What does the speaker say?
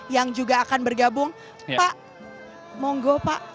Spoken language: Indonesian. yang juga akan bergabung pak monggo pak